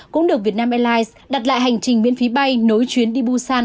cũng được việt nam airlines đặt lại hành trình miễn phí bay nối chuyến đi busan